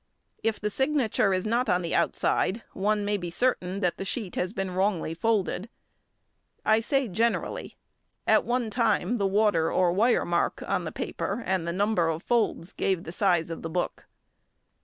If the signature is not on the outside, one may be certain that the sheet has been wrongly folded. I say generally; at one time the water or wire mark on the paper and the number of folds gave the size of the book.